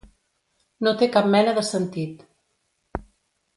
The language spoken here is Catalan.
No té cap mena de sentit.